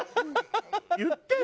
言ってよ。